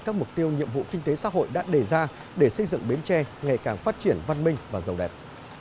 các mục tiêu nhiệm vụ kinh tế xã hội đã đề ra để xây dựng bến tre ngày càng phát triển văn minh và giàu đẹp